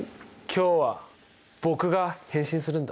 今日は僕が変身するんだ。